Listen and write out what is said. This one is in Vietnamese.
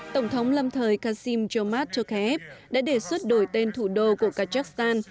tổng thống lâm thời kassym chomart chokhaev đã đề xuất đổi tên thủ đô của kazakhstan